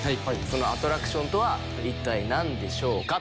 そのアトラクションとは一体何でしょうか？